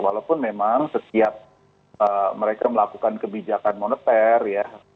walaupun memang setiap mereka melakukan kebijakan moneter ya